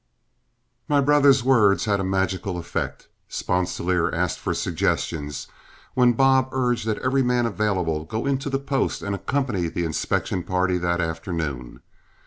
My brother's words had a magical effect. Sponsilier asked for suggestions, when Bob urged that every man available go into the post and accompany the inspection party that afternoon.